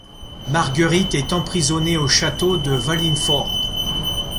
Marguerite est emprisonnée au château de Wallingford.